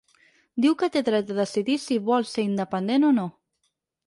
Diu que té dret de decidir si vol ser independent o no.